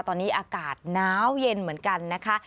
ตอนนี้อากาศน้าวเย็นเหมือนกันนะคะ